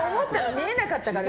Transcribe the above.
見えなかったから。